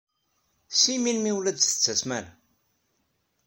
Seg melmi ur la d-tettasem ara?